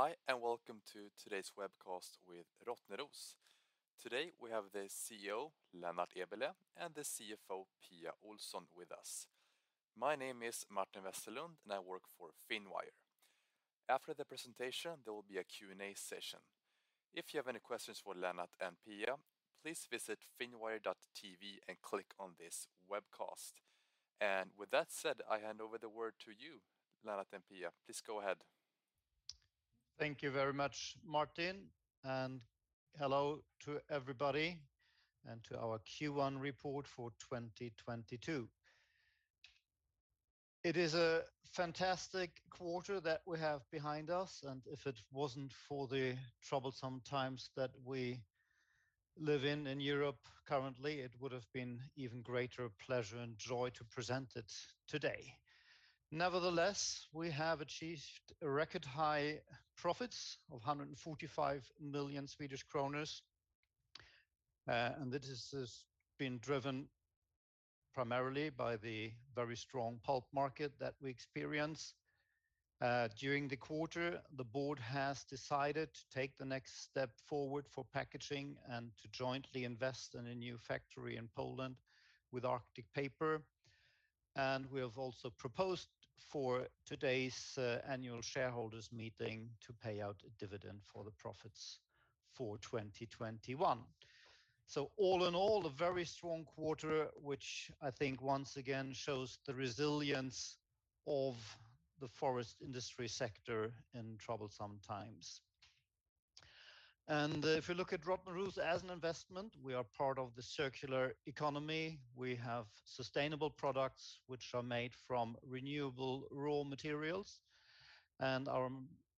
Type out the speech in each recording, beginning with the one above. Hi, and welcome to today's webcast with Rottneros. Today we have the CEO, Lennart Eberleh, and the CFO, Pia Ohlson, with us. My name is Martin Westerlund, and I work for Finwire. After the presentation, there will be a Q&A session. If you have any questions for Lennart and Pia, please visit finwire.tv and click on this webcast. With that said, I hand over the word to you, Lennart and Pia. Please go ahead. Thank you very much, Martin, and hello to everybody and to our Q1 report for 2022. It is a fantastic quarter that we have behind us, and if it wasn't for the troublesome times that we live in in Europe currently, it would have been even greater pleasure and joy to present it today. Nevertheless, we have achieved a record high profits of 145 million Swedish kronor, and this has been driven primarily by the very strong pulp market that we experience. During the quarter, the board has decided to take the next step forward for packaging and to jointly invest in a new factory in Poland with Arctic Paper. We have also proposed for today's annual shareholders meeting to pay out a dividend for the profits for 2021. All in all, a very strong quarter, which I think once again shows the resilience of the forest industry sector in troublesome times. If you look at Rottneros as an investment, we are part of the circular economy. We have sustainable products which are made from renewable raw materials, and our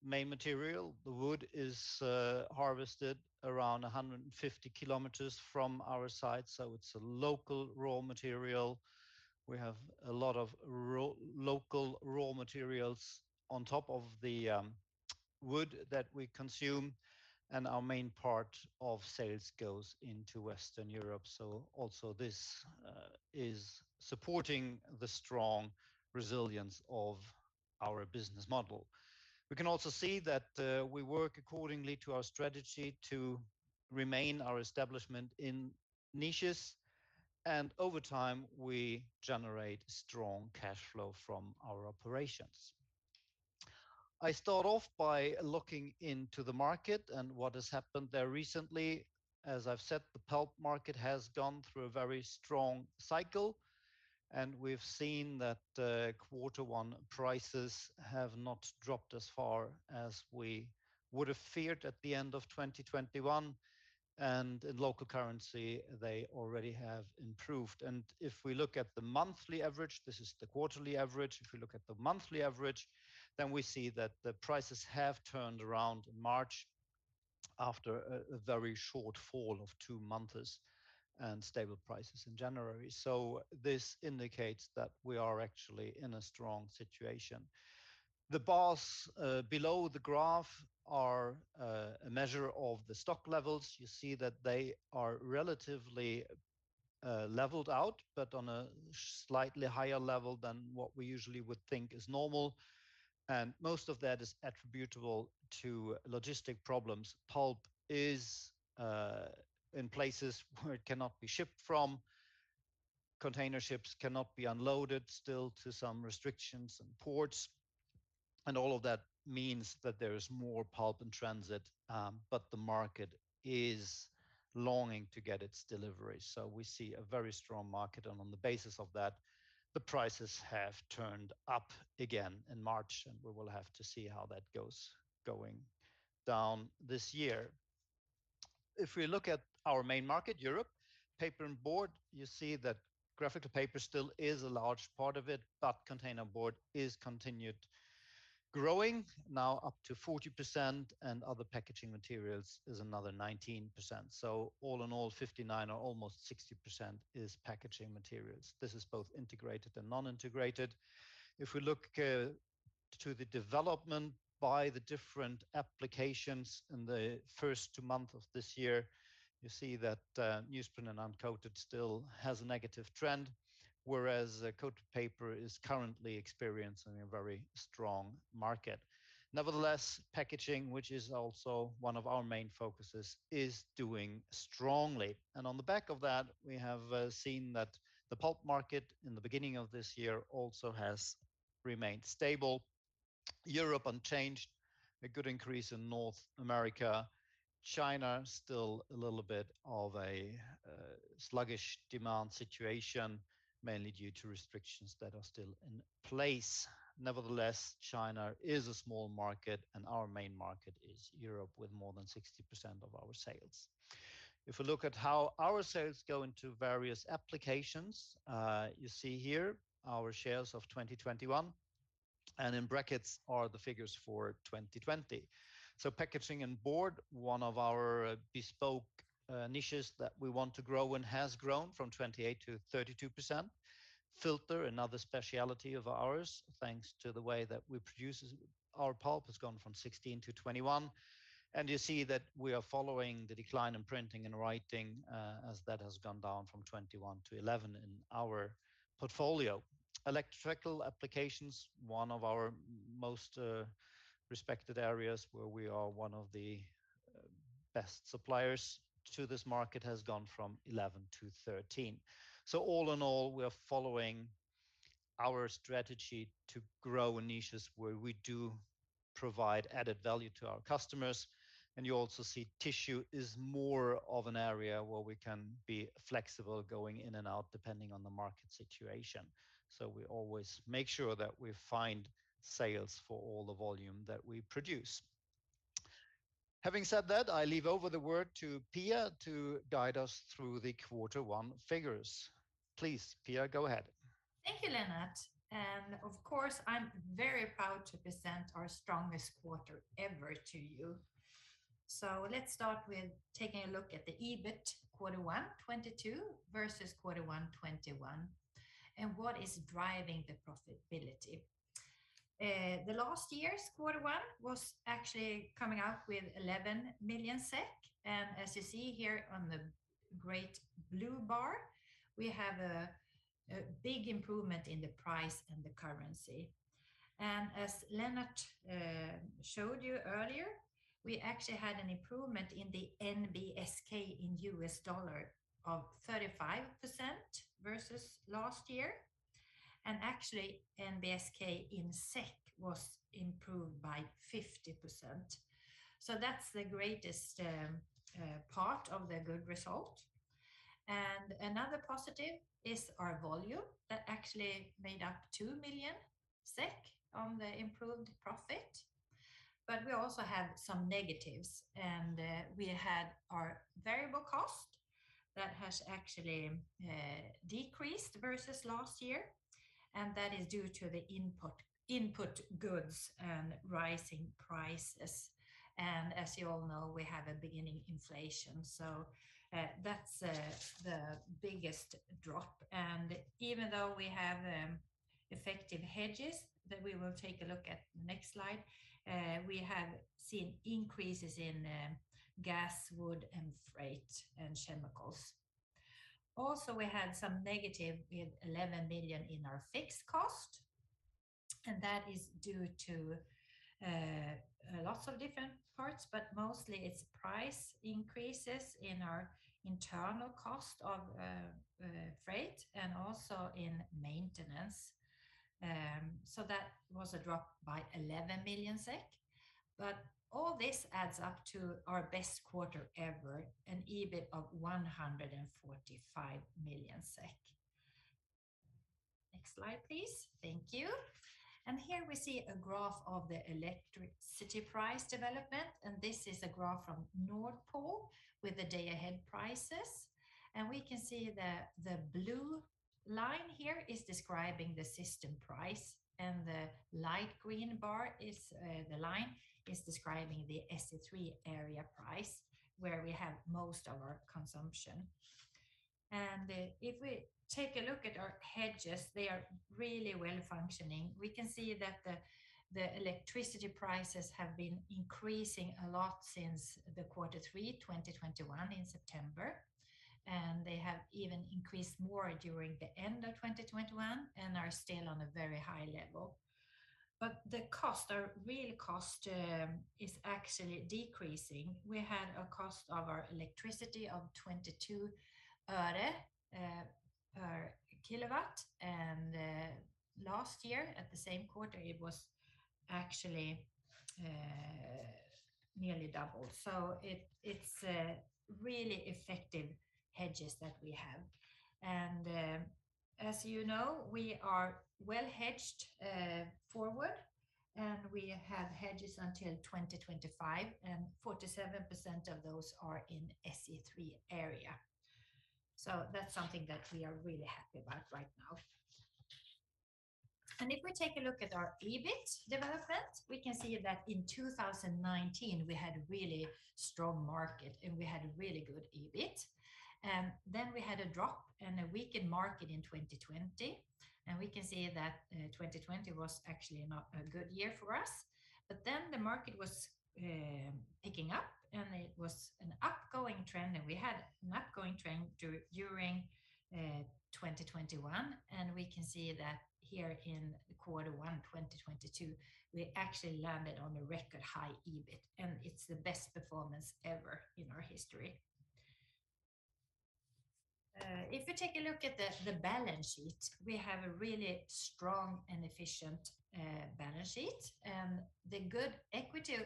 main material, the wood, is harvested around 150 kilometers from our site, so it's a local raw material. We have a lot of local raw materials on top of the wood that we consume, and our main part of sales goes into Western Europe. Also this is supporting the strong resilience of our business model. We can also see that we work accordingly to our strategy to remain our establishment in niches, and over time, we generate strong cash flow from our operations. I start off by looking into the market and what has happened there recently. As I've said, the pulp market has gone through a very strong cycle, and we've seen that, quarter one prices have not dropped as far as we would have feared at the end of 2021, and in local currency, they already have improved. If we look at the monthly average, this is the quarterly average. If we look at the monthly average, then we see that the prices have turned around in March after a very short fall of two months and stable prices in January. This indicates that we are actually in a strong situation. The bars below the graph are a measure of the stock levels. You see that they are relatively leveled out but on a slightly higher level than what we usually would think is normal, and most of that is attributable to logistics problems. Pulp is in places where it cannot be shipped from. Container ships cannot be unloaded still due to some restrictions in ports, and all of that means that there is more pulp in transit, but the market is longing to get its delivery. We see a very strong market, and on the basis of that, the prices have turned up again in March, and we will have to see how that goes going down this year. If we look at our main market, Europe, paper and board, you see that graphical paper still is a large part of it, but container board is continued growing, now up to 40%, and other packaging materials is another 19%. So all in all, 59 or almost 60% is packaging materials. This is both integrated and non-integrated. If we look to the development by the different applications in the first two months of this year, you see that newsprint and uncoated still has a negative trend, whereas coated paper is currently experiencing a very strong market. Nevertheless, packaging, which is also one of our main focuses, is doing strongly. On the back of that, we have seen that the pulp market in the beginning of this year also has remained stable. Europe unchanged, a good increase in North America. China, still a little bit of a sluggish demand situation, mainly due to restrictions that are still in place. Nevertheless, China is a small market, and our main market is Europe with more than 60% of our sales. If we look at how our sales go into various applications, you see here our shares of 2021, and in brackets are the figures for 2020. Packaging and board, one of our bespoke niches that we want to grow and has grown from 28%-32%. Filter, another specialty of ours, thanks to the way that we produce our pulp, has gone from 16% to 21%. You see that we are following the decline in printing and writing, as that has gone down from 21% to 11% in our portfolio. Electrical applications, one of our most respected areas where we are one of the best suppliers to this market has gone from 11% to 13%. All in all, we are following our strategy to grow in niches where we do provide added value to our customers, and you also see tissue is more of an area where we can be flexible going in and out depending on the market situation. We always make sure that we find sales for all the volume that we produce. Having said that, I hand over the word to Pia to guide us through the quarter one figures. Please, Pia, go ahead. Thank you, Lennart. Of course, I'm very proud to present our strongest quarter ever to you. Let's start with taking a look at the EBIT quarter one 2022 versus quarter one 2021 and what is driving the profitability. The last year's quarter one was actually coming up with 11 million SEK, and as you see here on the great blue bar, we have a big improvement in the price and the currency. As Lennart showed you earlier, we actually had an improvement in the NBSK in US dollar of 35% versus last year. Actually, NBSK in SEK was improved by 50%. That's the greatest part of the good result. Another positive is our volume that actually made up 2 million SEK on the improved profit. We also have some negatives, and we had our variable cost that has actually decreased versus last year, and that is due to the input goods and rising prices. As you all know, we have a beginning inflation. That's the biggest drop. Even though we have effective hedges that we will take a look at next slide, we have seen increases in gas, wood, and freight, and chemicals. Also, we had some negative with 11 million in our fixed cost, and that is due to lots of different parts, but mostly it's price increases in our internal cost of freight and also in maintenance. That was a drop by 11 million SEK. All this adds up to our best quarter ever, an EBIT of 145 million SEK. Next slide, please. Thank you. Here we see a graph of the electricity price development, and this is a graph from Nord Pool with the day ahead prices. We can see that the blue line here is describing the system price, and the light green bar is the line describing the SE3 area price where we have most of our consumption. If we take a look at our hedges, they are really well functioning. We can see that the electricity prices have been increasing a lot since the quarter three 2021 in September, and they have even increased more during the end of 2021 and are still on a very high level. The cost, our real cost, is actually decreasing. We had a cost of our electricity of 0.22 per kilowatt, and last year at the same quarter, it was actually nearly double. It's really effective hedges that we have. As you know, we are well hedged forward, and we have hedges until 2025, and 47% of those are in SE3 area. That's something that we are really happy about right now. If we take a look at our EBIT development, we can see that in 2019, we had a really strong market, and we had a really good EBIT. We had a drop and a weakened market in 2020, and we can see that 2020 was actually not a good year for us. The market was picking up, and it was an upgoing trend, and we had an upgoing trend during 2021. We can see that here in quarter one 2022, we actually landed on a record high EBIT, and it's the best performance ever in our history. If you take a look at the balance sheet, we have a really strong and efficient balance sheet. The good equity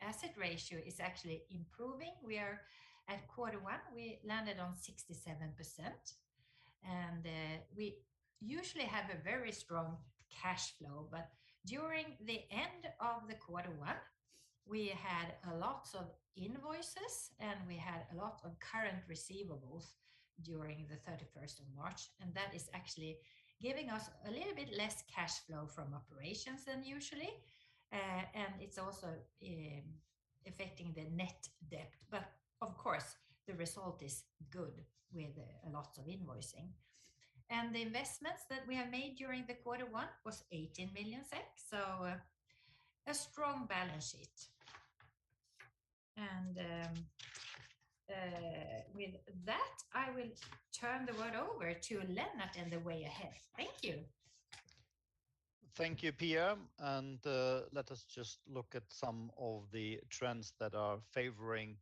asset ratio is actually improving. We are at quarter one, we landed on 67%, and we usually have a very strong cash flow. During the end of the quarter one, we had a lot of invoices, and we had a lot of current receivables during the 31st of March, and that is actually giving us a little bit less cash flow from operations than usually. It's also affecting the net debt. Of course, the result is good with a lot of invoicing. The investments that we have made during the quarter one was 18 million, so a strong balance sheet. With that, I will turn it over to Lennart and the way ahead. Thank you. Thank you, Pia. Let us just look at some of the trends that are favoring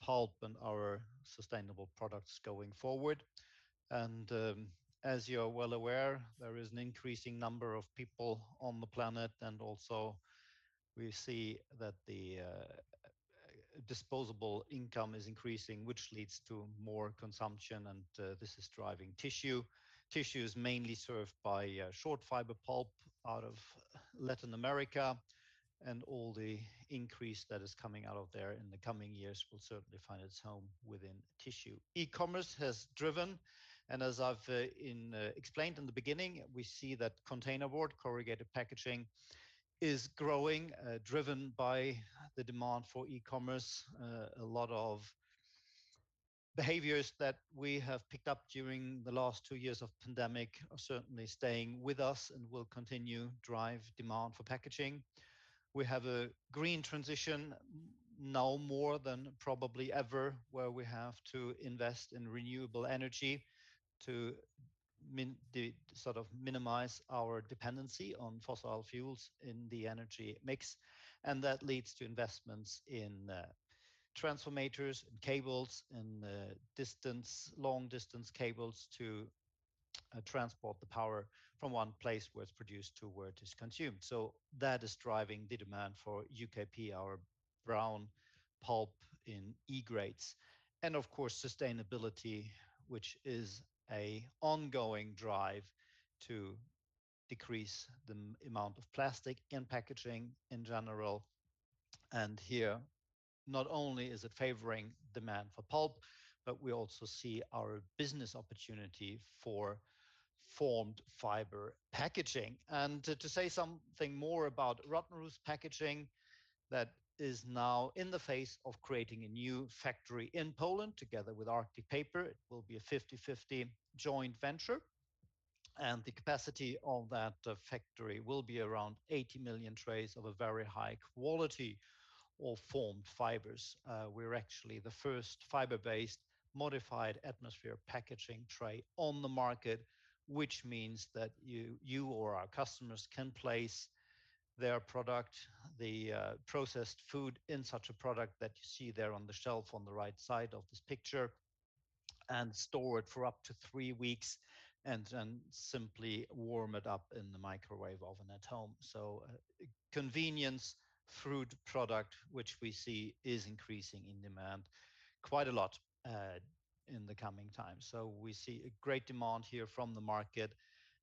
pulp and our sustainable products going forward. As you are well aware, there is an increasing number of people on the planet, and also we see that the disposable income is increasing, which leads to more consumption, and this is driving tissue. Tissue is mainly served by short fiber pulp out of Latin America, and all the increase that is coming out of there in the coming years will certainly find its home within tissue. E-commerce has driven, and as I've explained in the beginning, we see that container board, corrugated packaging, is growing, driven by the demand for e-commerce. A lot of behaviors that we have picked up during the last 2 years of pandemic are certainly staying with us and will continue drive demand for packaging. We have a green transition now more than probably ever, where we have to invest in renewable energy to sort of minimize our dependency on fossil fuels in the energy mix. That leads to investments in transformers and cables and long distance cables to transport the power from one place where it's produced to where it is consumed. That is driving the demand for UKP, our brown pulp in E grades. Of course, sustainability, which is an ongoing drive to decrease the amount of plastic in packaging in general. Here, not only is it favoring demand for pulp, but we also see our business opportunity for molded fiber packaging. To say something more about Rottneros Packaging that is now in the phase of creating a new factory in Poland together with Arctic Paper, it will be a 50/50 joint venture. The capacity of that factory will be around 80 million trays of a very high quality all formed fibers. We're actually the first fiber-based modified atmosphere packaging tray on the market, which means that you or our customers can place their product, the processed food in such a product that you see there on the shelf on the right side of this picture, and store it for up to three weeks, and then simply warm it up in the microwave oven at home. Convenience food product, which we see is increasing in demand quite a lot, in the coming time. We see a great demand here from the market,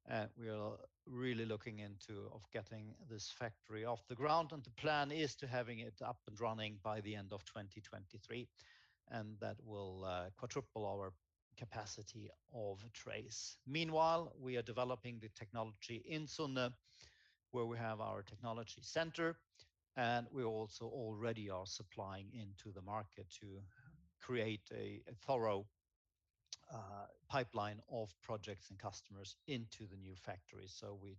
and we are really looking into of getting this factory off the ground. The plan is to having it up and running by the end of 2023, and that will quadruple our capacity of trays. Meanwhile, we are developing the technology in Sunne, where we have our technology center, and we also already are supplying into the market to create a thorough pipeline of projects and customers into the new factory. We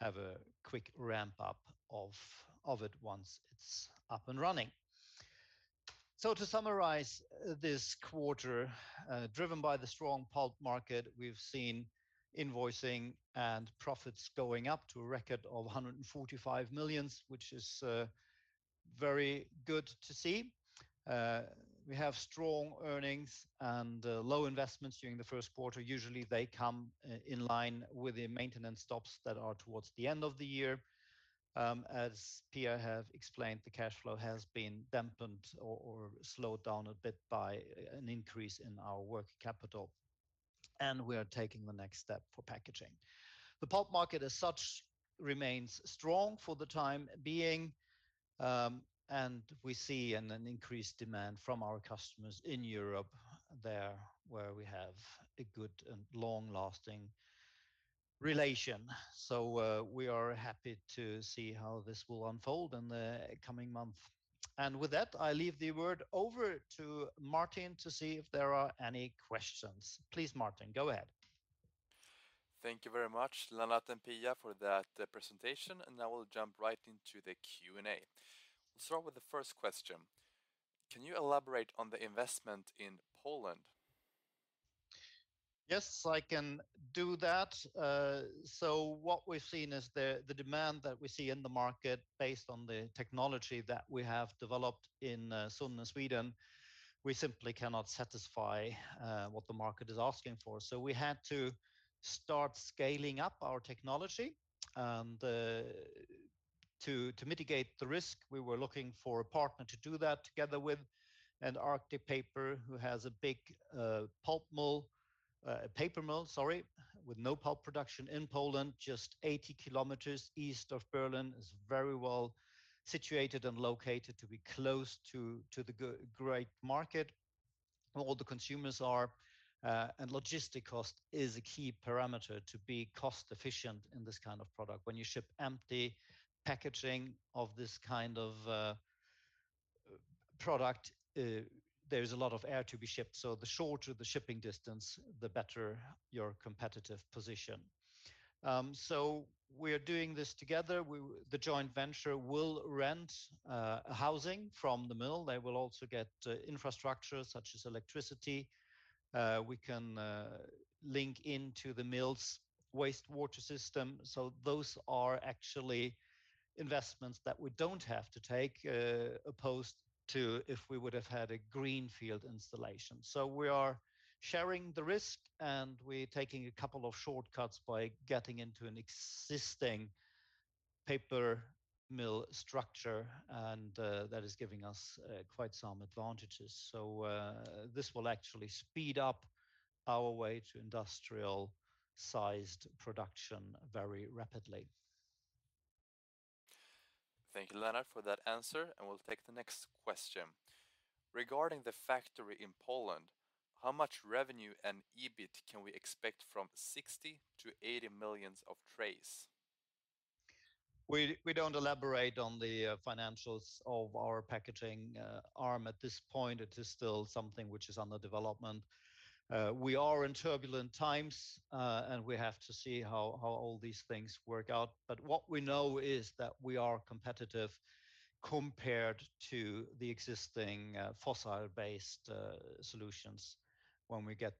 have a quick ramp up of it once it's up and running. To summarize this quarter, driven by the strong pulp market, we've seen invoicing and profits going up to a record of 145 million, which is very good to see. We have strong earnings and low investments during the Q1. Usually, they come in line with the maintenance stops that are towards the end of the year. As Pia have explained, the cash flow has been dampened or slowed down a bit by an increase in our working capital, and we are taking the next step for packaging. The pulp market as such remains strong for the time being, and we see an increased demand from our customers in Europe there, where we have a good and long-lasting relation. We are happy to see how this will unfold in the coming month. With that, I leave the word over to Martin to see if there are any questions. Please, Martin, go ahead. Thank you very much, Lennart and Pia, for that presentation, and now we'll jump right into the Q&A. We'll start with the 1st question. Can you elaborate on the investment in Poland? Yes, I can do that. What we've seen is the demand that we see in the market based on the technology that we have developed in Sunne, Sweden, we simply cannot satisfy what the market is asking for. We had to start scaling up our technology. To mitigate the risk, we were looking for a partner to do that together with. Arctic Paper, who has a big pulp mill, a paper mill, sorry, with no pulp production in Poland, just 80 kilometers east of Berlin, is very well situated and located to be close to the great market, and all the consumers, and logistic cost is a key parameter to be cost efficient in this kind of product. When you ship empty packaging of this kind of product, there's a lot of air to be shipped. The shorter the shipping distance, the better your competitive position. We are doing this together. The joint venture will rent housing from the mill. They will also get infrastructure such as electricity. We can link into the mill's wastewater system. Those are actually investments that we don't have to take opposed to if we would have had a greenfield installation. We are sharing the risk, and we're taking a couple of shortcuts by getting into an existing paper mill structure, and that is giving us quite some advantages. This will actually speed up our way to industrial-sized production very rapidly. Thank you, Lennart, for that answer, and we'll take the next question. Regarding the factory in Poland, how much revenue and EBIT can we expect from 60 to 80 million trays? We don't elaborate on the financials of our packaging arm at this point. It is still something which is under development. We are in turbulent times, and we have to see how all these things work out. What we know is that we are competitive compared to the existing fossil-based solutions when we get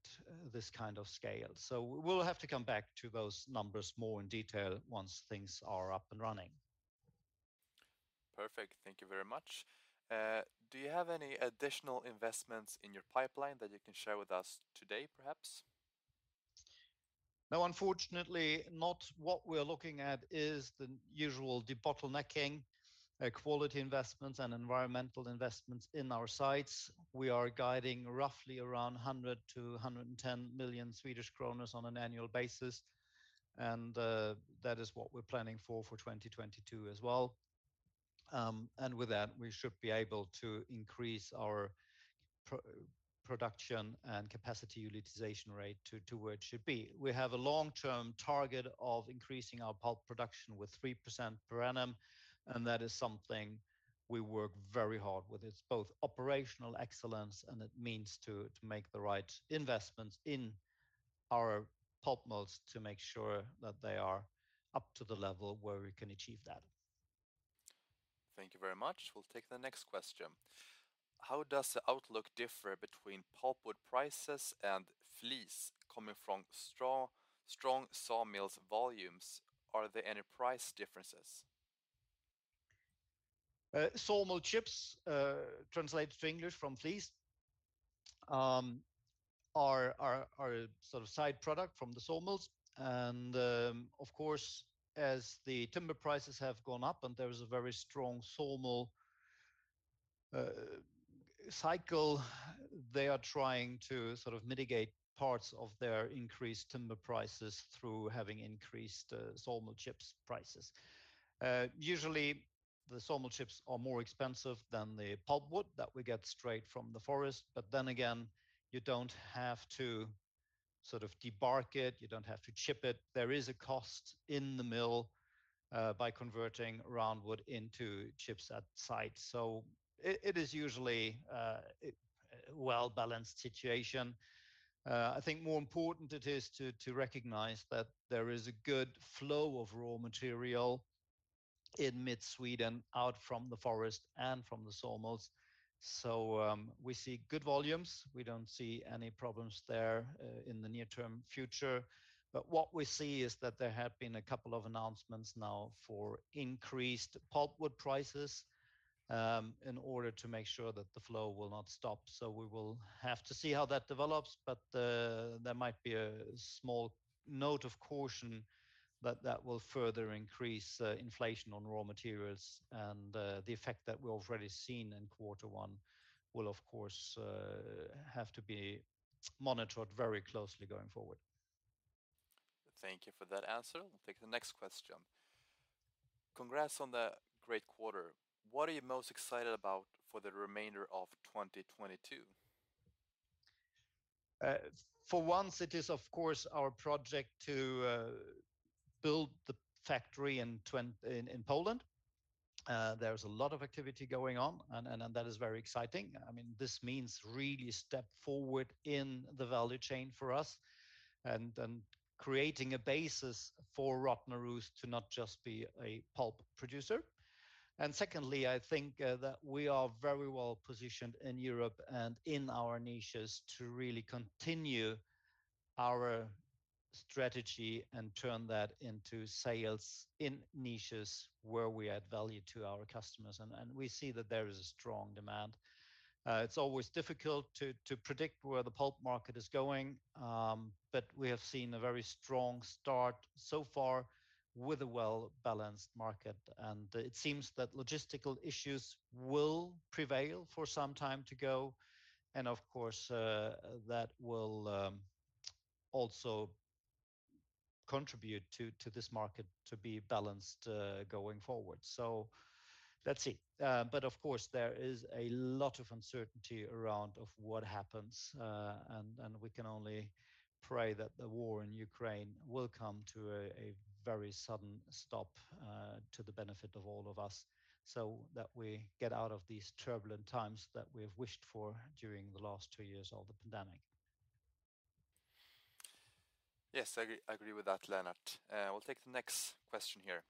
this kind of scale. We'll have to come back to those numbers more in detail once things are up and running. Perfect. Thank you very much. Do you have any additional investments in your pipeline that you can share with us today, perhaps? No, unfortunately not. What we're looking at is the usual debottlenecking, quality investments and environmental investments in our sites. We are guiding roughly around 100 to 110 million on an annual basis, and that is what we're planning for 2022 as well. With that, we should be able to increase our production and capacity utilization rate to where it should be. We have a long-term target of increasing our pulp production with 3% per annum, and that is something we work very hard with. It's both operational excellence, and it means to make the right investments in our pulp mills to make sure that they are up to the level where we can achieve that. Thank you very much. We'll take the next question. How does the outlook differ between pulpwood prices and flis coming from strong sawmills volumes? Are there any price differences? Sawmill chips, translated to English from flis, are a sort of side product from the sawmills. Of course, as the timber prices have gone up and there is a very strong sawmill cycle, they are trying to sort of mitigate parts of their increased timber prices through having increased sawmill chips prices. Usually the sawmill chips are more expensive than the pulpwood that we get straight from the forest. Again, you don't have to sort of debark it. You don't have to chip it. There is a cost in the mill by converting round wood into chips on site. It is usually a well-balanced situation. I think more important it is to recognize that there is a good flow of raw material in mid-Sweden out from the forest and from the sawmills. We see good volumes. We don't see any problems there in the near-term future. What we see is that there have been a couple of announcements now for increased pulpwood prices in order to make sure that the flow will not stop. We will have to see how that develops. There might be a small note of caution that that will further increase inflation on raw materials. The effect that we've already seen in quarter one will, of course, have to be monitored very closely going forward. Thank you for that answer. We'll take the next question. Congrats on the great quarter. What are you most excited about for the remainder of 2022? For once it is, of course, our project to build the factory in Poland. There's a lot of activity going on and that is very exciting. I mean, this means really a step forward in the value chain for us and creating a basis for Rottneros to not just be a pulp producer. Secondly, I think that we are very well positioned in Europe and in our niches to really continue our strategy and turn that into sales in niches where we add value to our customers, and we see that there is a strong demand. It's always difficult to predict where the pulp market is going, but we have seen a very strong start so far with a well-balanced market. It seems that logistical issues will prevail for some time to go. Of course, that will also contribute to this market to be balanced going forward. Let's see. Of course, there is a lot of uncertainty around what happens, and we can only pray that the war in Ukraine will come to a very sudden stop, to the benefit of all of us, so that we get out of these turbulent times that we have wished for during the last two years of the pandemic. Yes, I agree with that, Lennart. We'll take the next question here.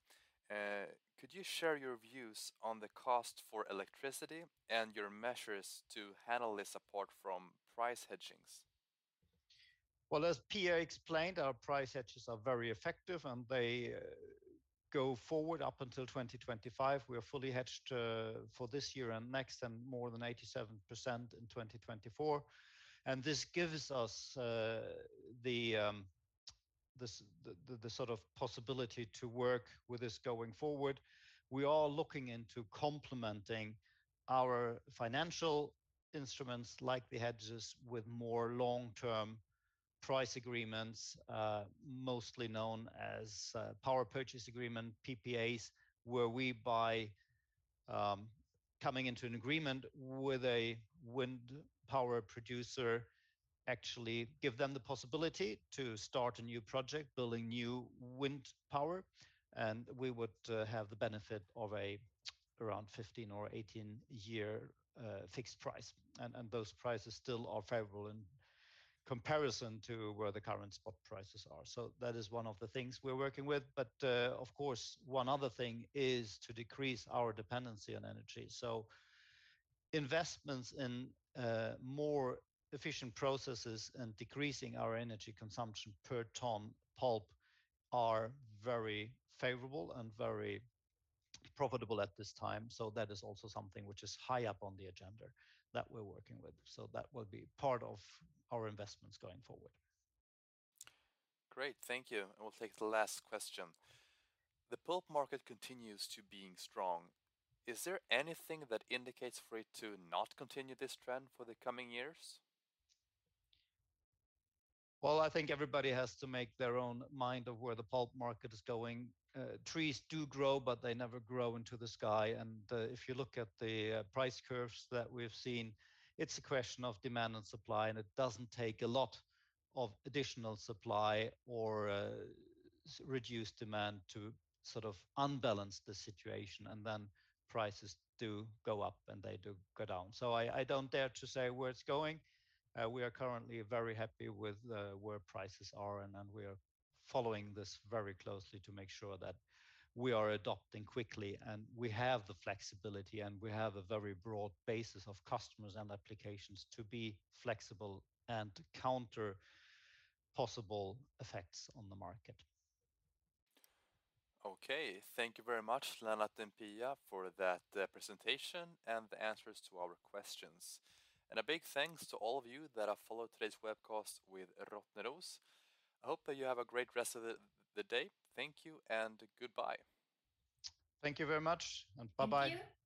Could you share your views on the cost for electricity and your measures to handle the support from price hedging? Well, as Pia explained, our price hedges are very effective, and they go forward up until 2025. We are fully hedged for this year and next, and more than 87% in 2024. This gives us the sort of possibility to work with this going forward. We are looking into complementing our financial instruments, like the hedges, with more long-term price agreements, mostly known as power purchase agreement, PPAs, where we by coming into an agreement with a wind power producer, actually give them the possibility to start a new project building new wind power, and we would have the benefit of around 15 or 18-year fixed price. Those prices still are favorable in comparison to where the current spot prices are. That is one of the things we're working with. Of course, one other thing is to decrease our dependency on energy. Investments in more efficient processes and decreasing our energy consumption per ton pulp are very favorable and very profitable at this time. That is also something which is high up on the agenda that we're working with. That will be part of our investments going forward. Great. Thank you. We'll take the last question. The pulp market continues to be strong. Is there anything that indicates for it to not continue this trend for the coming years? Well, I think everybody has to make up their own mind about where the pulp market is going. Trees do grow, but they never grow into the sky. If you look at the price curves that we've seen, it's a question of demand and supply, and it doesn't take a lot of additional supply or reduced demand to sort of unbalance the situation, and then prices do go up, and they do go down. I don't dare to say where it's going. We are currently very happy with where prices are, and we are following this very closely to make sure that we are adapting quickly, and we have the flexibility, and we have a very broad base of customers and applications to be flexible and counter possible effects on the market. Okay. Thank you very much, Lennart and Pia, for that presentation and the answers to our questions. A big thanks to all of you that have followed today's webcast with Rottneros. I hope that you have a great rest of the day. Thank you and goodbye. Thank you very much and bye-bye. Thank you. Bye.